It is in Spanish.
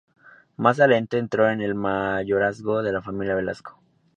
Más adelante entró en el mayorazgo de la familia Velasco.